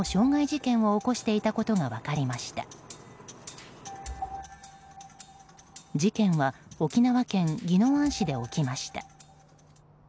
事件は沖縄県宜野湾市で起きました。